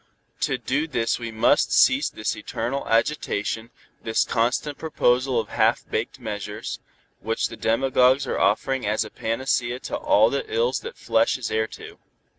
To do this we must cease this eternal agitation, this constant proposal of half baked measures, which the demagogues are offering as a panacea to all the ills that flesh is heir to.